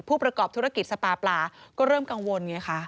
ผู้ประกอบธุรกิจสปาปลาก็เริ่มกังวลไงคะ